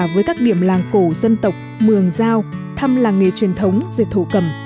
với các điểm làng cổ dân tộc mường giao thăm làng nghề truyền thống dệt thổ cầm